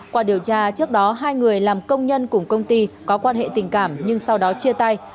qua điều tra trước đó hai người làm công nhân cùng công ty có quan hệ tình cảm nhưng sau đó chia tay